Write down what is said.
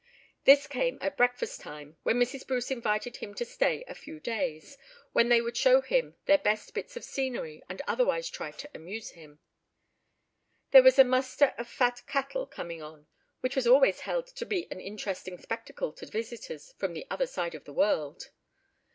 This came at breakfast time, when Mrs. Bruce invited him to stay a few days, when they would show him their best bits of scenery and otherwise try to amuse him. There was a muster of fat cattle coming on, which was always held to be an interesting spectacle to visitors from the other side of the world.